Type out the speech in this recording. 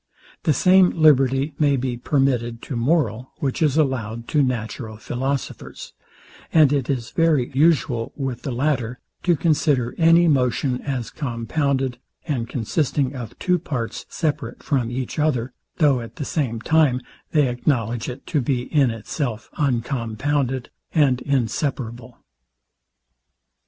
The same liberty may be permitted to moral, which is allowed to natural philosophers; and it is very usual with the latter to consider any motion as compounded and consisting of two parts separate from each other, though at the same time they acknowledge it to be in itself uncompounded and inseparable.